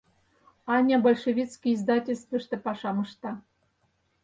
Аня большевистский издательствыште пашам ышта.